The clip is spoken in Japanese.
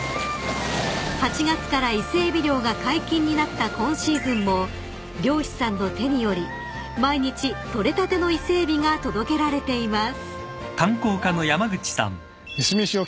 ［８月から伊勢エビ漁が解禁になった今シーズンも漁師さんの手により毎日取れたての伊勢エビが届けられています］